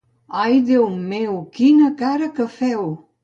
Ai, Déu meu, quina cara que feu!